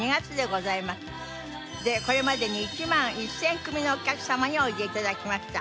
これまでに１万１０００組のお客様においで頂きました。